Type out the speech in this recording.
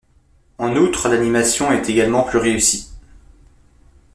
En outre l’animation est également plus réussie.